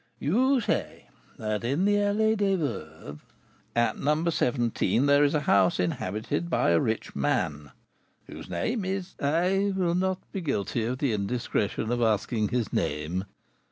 You say that in the Allée des Veuves " "At No. 17 there is a house inhabited by a rich man, whose name is " "I will not be guilty of the indiscretion of asking his name.